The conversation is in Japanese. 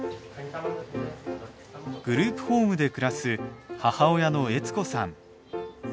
グループホームで暮らす母親の悦子さん。